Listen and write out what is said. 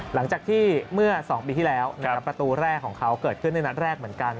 หลังจากที่เมื่อ๒ปีที่แล้วนะครับประตูแรกของเขาเกิดขึ้นในนัดแรกเหมือนกัน